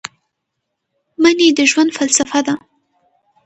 مني د ژوند فلسفه ده